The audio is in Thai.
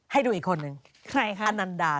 ให้ดูอีกคนนึงใครคะอนันดา